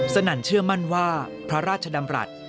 นั่นเชื่อมั่นว่าพระราชดำรัฐ